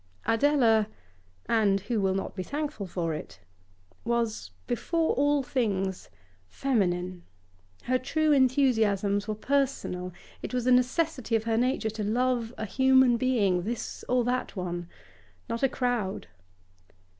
Adela and who will not be thankful for it? was, before all things, feminine; her true enthusiasms were personal. It was a necessity of her nature to love a human being, this or that one, not a crowd.